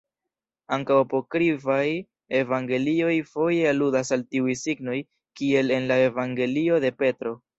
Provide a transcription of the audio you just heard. Ankaŭ apokrifaj evangelioj foje aludas al tiuj signoj kiel en la evangelio de Petro.